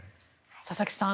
佐々木さん